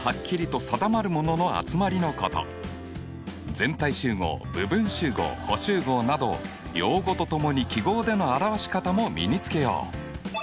全体集合部分集合補集合など用語とともに記号での表し方も身につけよう。